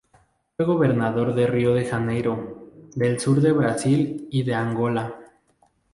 Fue gobernador de Río de Janeiro, del Sur de Brasil y de Angola.